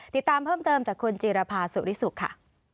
ติดตามเพิ่มเติมจากคุณจีรภาสุริสุขค่ะ